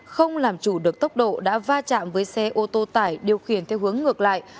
không làm chủ được tốc độ đã va chạm với xe ô tô tải điều khiển theo hướng ngược lại